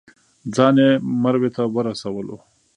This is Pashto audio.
ځان یې مروه ته ورسولو.